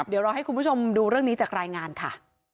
เดี๋ยวเราให้คุณผู้ชมดูเรื่องนี้จากรายงานค่ะ